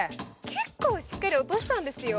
結構しっかり落としたんですよ。